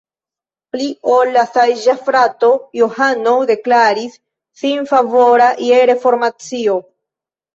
Pli ol la saĝa frato Johano deklaris sin favora je Reformacio.